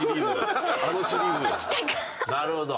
なるほど。